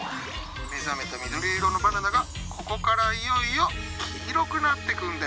目覚めた緑色のバナナがここからいよいよ黄色くなってくんだよ。